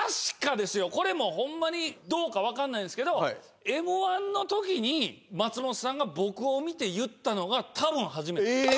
これもホンマにどうかわかんないですけど『Ｍ−１』のときに松本さんが僕を見て言ったのがたぶん初めて。え！？え！